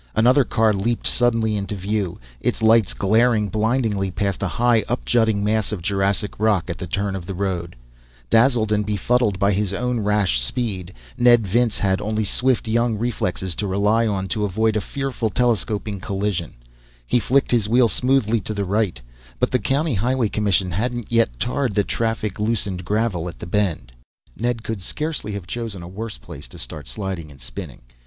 Another car leaped suddenly into view, its lights glaring blindingly past a high, up jutting mass of Jurassic rock at the turn of the road. Dazzled, and befuddled by his own rash speed, Ned Vince had only swift young reflexes to rely on to avoid a fearful, telescoping collision. He flicked his wheel smoothly to the right; but the County Highway Commission hadn't yet tarred the traffic loosened gravel at the Bend. [Illustration: An incredible science, millions of years old, lay in the minds of these creatures.] Ned could scarcely have chosen a worse place to start sliding and spinning.